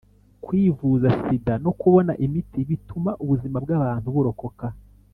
kwivuza sida no kubona imiti bituma ubuzima bw’abantu burokoka.